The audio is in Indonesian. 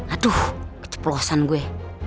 aduh keceplosan gue